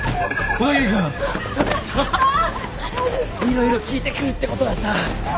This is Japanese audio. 色々聞いてくるってことはさ